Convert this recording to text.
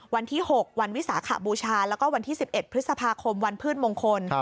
วันที่๖วันวิสาขบูชาแล้วก็วันที่๑๑พฤษภาคมวันพืชมงคล